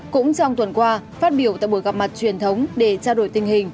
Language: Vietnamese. cũng trong tuần qua phát biểu tại buổi gặp mặt truyền thống để trao đổi tình hình